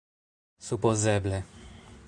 supozeble